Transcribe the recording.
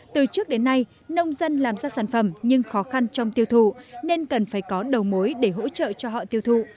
từ trước đến nay nông dân làm ra sản phẩm nhưng khó khăn trong tiêu thụ nên cần phải có đầu mối để hỗ trợ cho họ tiêu thụ